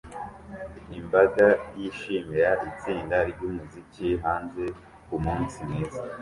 Imbaga yishimira itsinda ryumuziki hanze kumunsi mwiza